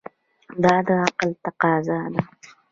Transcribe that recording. دا د عقل تقاضا ده.